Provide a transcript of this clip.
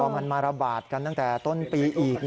มันมาระบาดกันตั้งแต่ต้นปีอีก